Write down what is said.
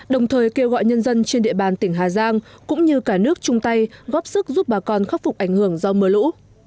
đồng thời kêu gọi nhân dân trên địa bàn tỉnh hà giang cũng như cả nước chung tay góp sức giúp bà con khắc phục ảnh hưởng do mưa lũ